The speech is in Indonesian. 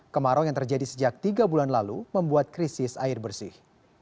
kemarau yang terjadi sejak tiga bulan lalu membuat krisis air bersih